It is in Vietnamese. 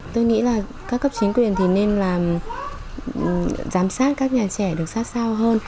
tôi nghĩ là các cấp chính quyền thì nên làm giám sát các nhà trẻ được sát sao hơn